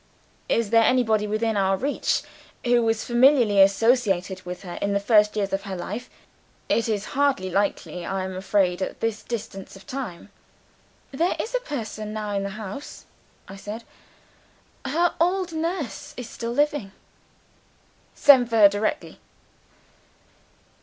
"Is there anybody within our reach, who was familiarly associated with her in the first year of her life? It is hardly likely, I am afraid, at this distance of time?" "There is a person now in the house," I said. "Her old nurse is still living." "Send for her directly."